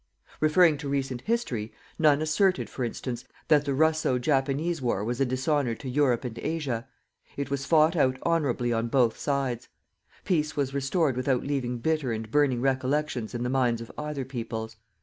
Referring to recent history, none asserted, for instance, that the Russo Japanese war was a dishonour to Europe and Asia. It was fought out honourably on both sides. Peace was restored without leaving bitter and burning recollections in the minds of either peoples.